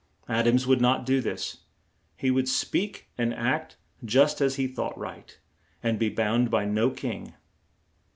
Ad ams would not do this; he would speak and act just as he thought right, and be bound by no king.